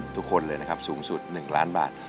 ทุกคนเลยนะครับสูงสุด๑ล้านบาท